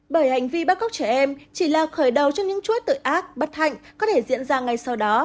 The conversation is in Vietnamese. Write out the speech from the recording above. bởi hành vi bắt cóc trẻ em chỉ là khởi đầu cho những chuỗi tội ác bất hạnh có thể diễn ra ngay sau đó